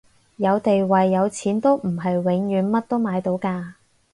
有地位有錢都唔係永遠乜都買到㗎